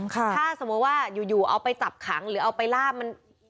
ถ้าสมมุติว่าอยู่เอาไปจับขังหรือเอาไปล่ามัน